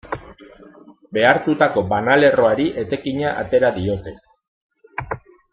Behartutako banalerroari etekina atera diote.